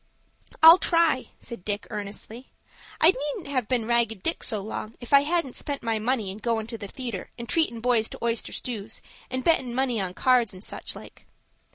"I'll try," said Dick, earnestly. "I needn't have been Ragged Dick so long if I hadn't spent my money in goin' to the theatre, and treatin' boys to oyster stews, and bettin' money on cards, and such like."